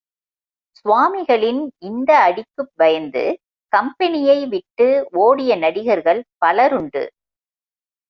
சுவாமிகளின் இந்த அடிக்குப் பயந்து கம்பெனியை விட்டு ஓடிய நடிகர்கள் பலருண்டு.